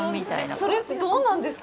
それってどうなんですか？